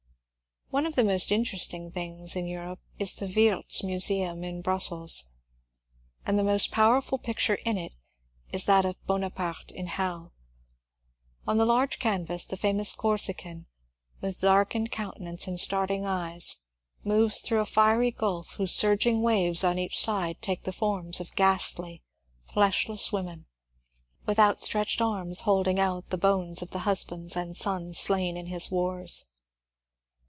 One of the most interesting things in Europe is the Wiertz Museum in Brussels, and the most powerful picture in it is that of ^' Bonaparte in Hell.*' On the large canvas the fomous Corsican, with darkened countenance and starting eyes, moves 244 MONCUBE DANIEL CONWAY through a fiery golf whose surging waves on each side take the forms of ghastly, fleshless women, with outstretched arms holding out the bones of the husbands and sons slain in his wars.